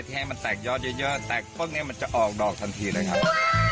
ให้มันแตกยอดเยอะแตกพวกนี้มันจะออกดอกทันทีเลยครับ